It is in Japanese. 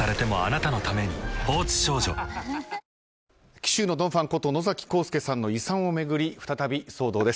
紀州のドン・ファンこと野崎幸助さんの遺産を巡り再び騒動です。